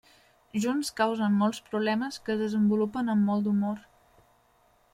Junts causen molts problemes que es desenvolupen amb molt d'humor.